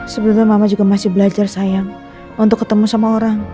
sebenarnya mama juga masih belajar sayang untuk ketemu sama orang